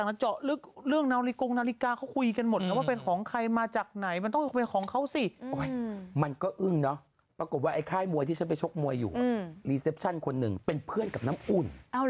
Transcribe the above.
เมื่อฉันไปชกมวยอยู่รีเซปชั่นคนหนึ่งเป็นเพื่อนกับน้ำอุ่น